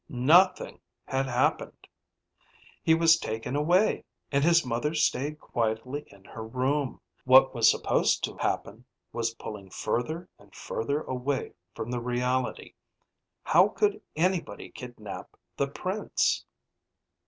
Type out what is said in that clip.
Nothing had happened. He was taken away, and his mother stayed quietly in her room. What was supposed to happen was pulling further and further away from the reality. How could anybody kidnap the Prince?